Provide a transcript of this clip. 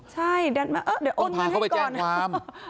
ต้องพาเขาไปแจกความ